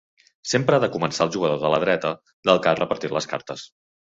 Sempre ha de començar el jugador de la dreta del que ha repartit les cartes.